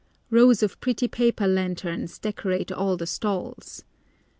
Rows of pretty paper lanterns decorate all the stalls.